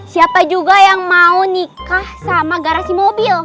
siapa juga yang mau nikah sama garasi mobil